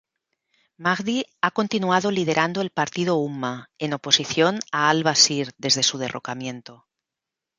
Mahdi ha continuado liderando el Partido Umma, en oposición a al-Bashir, desde su derrocamiento.